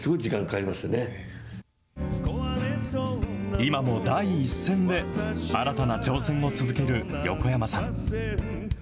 今も第一線で、新たな挑戦を続ける横山さん。